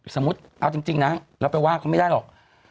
สมมุติเอาจริงนะเราไปว่าเขาไม่ได้หรอก